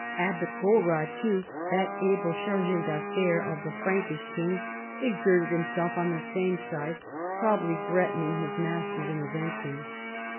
Abbot Fulrad, too, that able charge d'affaires of the Frankish king, exerted himself on the same side, probably threatening his master's intervention.